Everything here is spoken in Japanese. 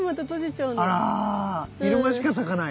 あら昼間しか咲かない。